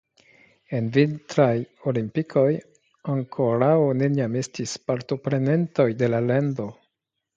En vintraj olimpikoj ankoraŭ neniam estis partoprenantoj de la lando.